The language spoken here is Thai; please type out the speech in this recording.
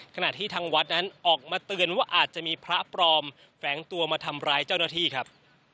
ขณะที่ทางวัดนั้นออกมาเตือนว่าอาจจะมีพระปลอมแฝงตัวมาทำร้ายเจ้าหน้าที่ครับ